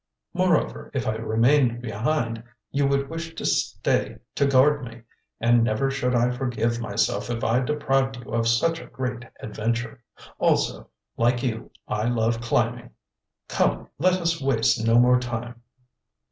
Moreover, if I remained behind, you would wish to stay to guard me, and never should I forgive myself if I deprived you of such a great adventure. Also, like you, I love climbing. Come, let us waste no more time."